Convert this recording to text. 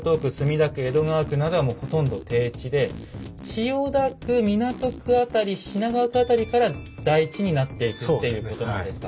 江戸川区などはもうほとんど低地で千代田区港区辺り品川区辺りから台地になっていくっていうことなんですか。